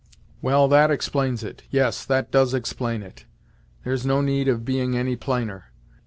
"Well that explains it yes, that does explain it. There's no need of being any plainer.